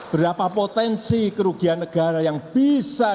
berapa potensi kerugian negara yang bisa